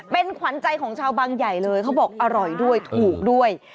เป็นขวัญใจของชาวบางใหญ่เลยเขาบอกอร่อยด้วยถูกด้วย